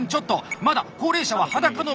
まだ高齢者は裸のままだ！